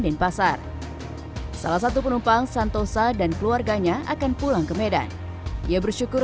denpasar salah satu penumpang santosa dan keluarganya akan pulang ke medan ia bersyukur